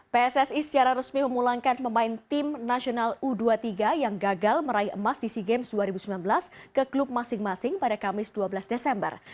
pssi secara resmi memulangkan pemain tim nasional u dua puluh tiga yang gagal meraih emas di sea games dua ribu sembilan belas ke klub masing masing pada kamis dua belas desember